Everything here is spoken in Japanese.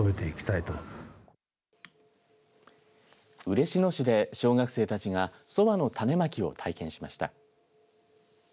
嬉野市で小学生たちがそばの種まきを体験しました。